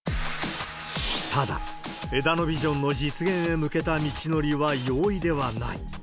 ただ、枝野ビジョンの実現へ向けた道のりは容易ではない。